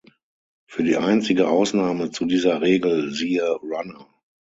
Für die einzige Ausnahme zu dieser Regel, siehe Runner.